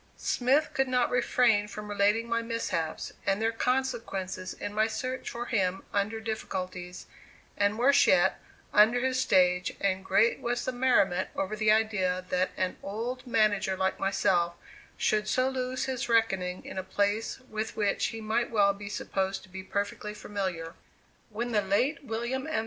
Smith could not refrain from relating my mishaps and their consequences in my search for him under difficulties, and worse yet, under his stage, and great was the merriment over the idea that an old manager like myself should so lose his reckoning in a place with which he might well be supposed to be perfectly familiar. When the late William M.